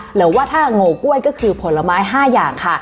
หรือว่าถ้าโง่กล้วยก็คือผลไม้๕อย่างค่ะ